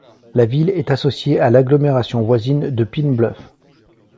La ville est associée à l'agglomération voisine de Pine Bluff.